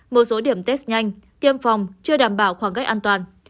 một số điểm test nhanh tiêm phòng chưa đảm bảo khoảng cách an toàn